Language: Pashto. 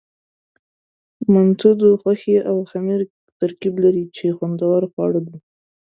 منتو د غوښې او خمیر ترکیب لري، چې خوندور خواړه دي.